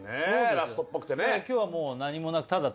ラストっぽくてね。